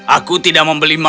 aku sudah membelinya